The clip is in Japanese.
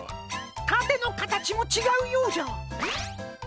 たてのかたちもちがうようじゃ。